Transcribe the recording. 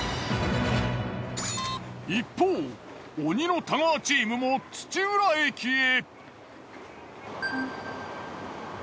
一方鬼の太川チームも土浦駅へ。